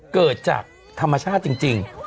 เกิดจากธรรมชาติจริง